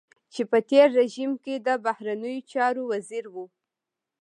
چې په تېر رژيم کې د بهرنيو چارو وزير و.